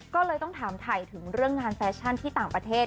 ก็เลยต้องถามถ่ายถึงเรื่องงานแฟชั่นที่ต่างประเทศ